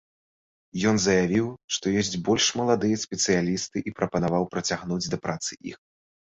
Ён заявіў, што ёсць больш маладыя спецыялісты, і прапанаваў прыцягнуць да працы іх.